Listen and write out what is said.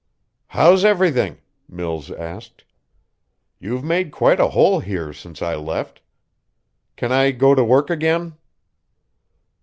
"How's everything?" Mills asked. "You've made quite a hole here since I left. Can I go to work again?"